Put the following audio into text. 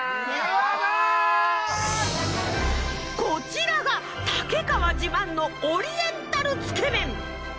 こちらが竹川自慢のオリエンタルつけ麺。